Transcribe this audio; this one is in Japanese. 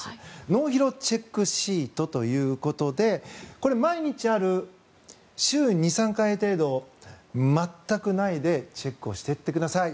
脳疲労チェックシートということでこれ毎日ある、週２３回程度全くないでチェックをしていってください。